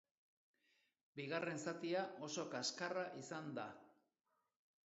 Bigarren zatia oso kaskarra izan da.